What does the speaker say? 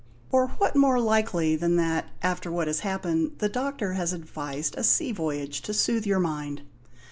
Or what more likely than that, after what has happened, the doctor has advised a sea voyage, to soothe your mind?